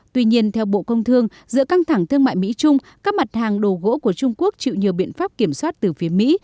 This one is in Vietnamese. tuy nhiên theo bộ công thương giữa căng thẳng thương mại mỹ trung các mặt hàng đồ gỗ của trung quốc chịu nhiều biện pháp kiểm soát từ phía mỹ